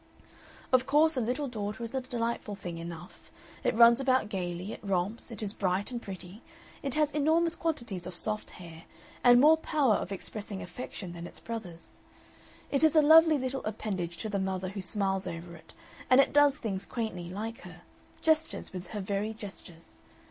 Of course a little daughter is a delightful thing enough. It runs about gayly, it romps, it is bright and pretty, it has enormous quantities of soft hair and more power of expressing affection than its brothers. It is a lovely little appendage to the mother who smiles over it, and it does things quaintly like her, gestures with her very gestures.